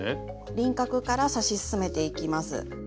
輪郭から刺し進めていきます。